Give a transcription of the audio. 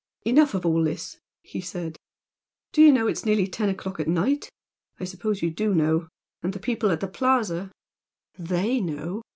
"Enough of all this!" he said "Do you know it's nearly ten o'clock at night? I suppose you do know! and the people at the Plaza " "THEY know!"